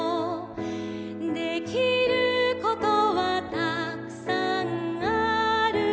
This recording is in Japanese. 「できることはたくさんあるよ」